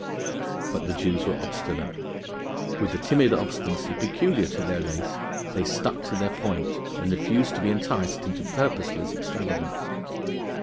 But the Jews were obstinate. With the timid obstinacy peculiar to their race, they stuck to their point and refused to be enticed into purposeless extravagance.